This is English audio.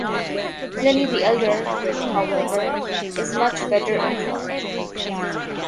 Pliny the Elder, however, is much better informed.